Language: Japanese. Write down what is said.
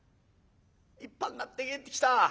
立派になって帰ってきた。